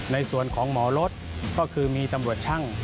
ในส่วนของหมอรถก็คือมีตำรวจช่าง